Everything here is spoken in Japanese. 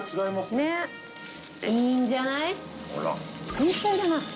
いいんじゃない？